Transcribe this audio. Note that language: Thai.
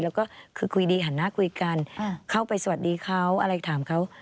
แล้วก็คือคุยดีหันหน้าคุยกันเข้าไปสวัสดีเขาอะไรถามเขา